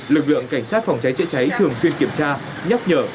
lực lượng cảnh sát phòng cháy chữa cháy thường xuyên kiểm tra nhắc nhở